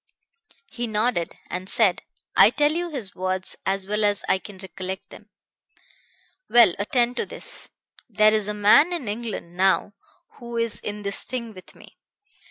"He nodded, and said I tell you his words as well as I can recollect them 'Well, attend to this. There is a man in England now who is in this thing with me.